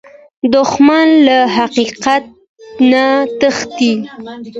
دښمن له حقیقت نه تښتي